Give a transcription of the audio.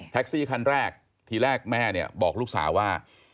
ซี่คันแรกทีแรกแม่เนี่ยบอกลูกสาวว่า